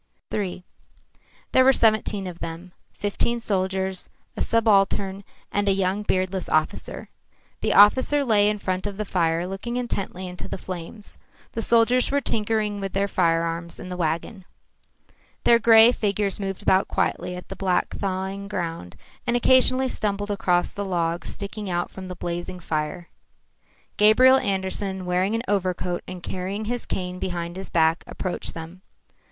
III There were seventeen of them, fifteen soldiers, a subaltern and a young beardless officer. The officer lay in front of the fire looking intently into the flames. The soldiers were tinkering with the firearms in the wagon. Their grey figures moved about quietly on the black thawing ground, and occasionally stumbled across the logs sticking out from the blazing fire. Gabriel Andersen, wearing an overcoat and carrying his cane behind his back, approached them.